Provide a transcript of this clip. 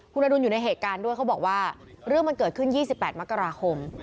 คุณอดุลอยู่ในเหตุการณ์ด้วยเขาบอกว่าเรื่องมันเกิดขึ้น๒๘มกราคม